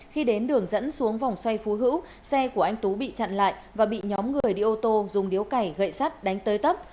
khi đến đường dẫn xuống vòng xoay phú hữu xe của anh tú bị chặn lại và bị nhóm người đi ô tô dùng điếu cải gậy sắt đánh tới tấp